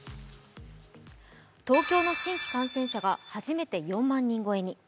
東京の新規感染者が初めて４万人超えに。